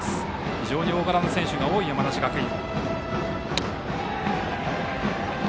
非常に大柄な選手が多い山梨学院。